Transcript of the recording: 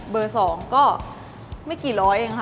เบอร์๒ก็ไม่กี่ร้อย